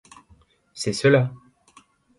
C'est cela.